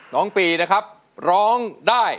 น้องปีนะครับร้องได้